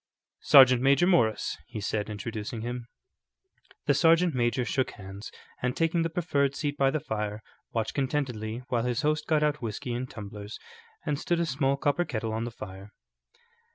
"Sergeant Major Morris," he said, introducing him. The sergeant major shook hands, and taking the proffered seat by the fire, watched contentedly while his host got out whiskey and tumblers and stood a small copper kettle on the fire.